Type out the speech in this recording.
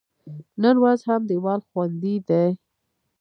نن ورځ هم دیوال خوندي دی.